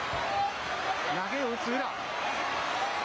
投げを打つ宇良。